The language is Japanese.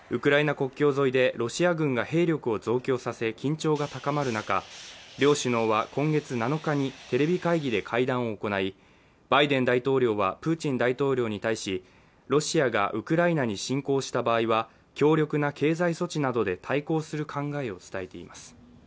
国境沿いでロシア軍が兵力を増強させ緊張が高まる中、両首脳は今月７日にテレビ会議で会談を行い、バイデン大統領はプーチン大統領に対し、ロシアがウクライナに侵攻した場合は強力な経済措置などで対抗する考えを伝えています。